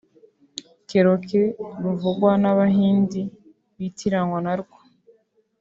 Cherokee ruvugwa n’Abahindi bitiranwa narwo